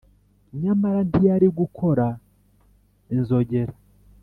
Nyamara ntiyari gukora inzogera